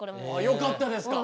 よかったですか？